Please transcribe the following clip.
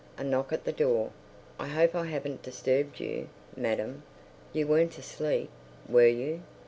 A knock at the door._ ... I hope I haven't disturbed you, madam. You weren't asleep—were you?